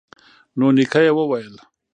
نو نیکه یې وویل